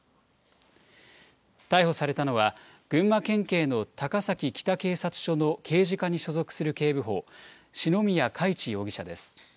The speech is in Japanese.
逮捕されたのは、群馬県警の高崎北警察署の刑事課に所属する警部補、篠宮嘉一容疑者です。